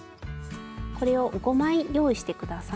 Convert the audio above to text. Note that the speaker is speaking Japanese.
これを５枚用意して下さい。